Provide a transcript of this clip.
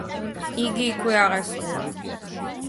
იგი იქვე აღესრულა.